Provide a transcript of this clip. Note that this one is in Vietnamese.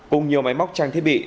cùng nhiều máy móc trang thiết bị